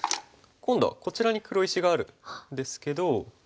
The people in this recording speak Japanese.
今度はこちらに黒石があるんですけど。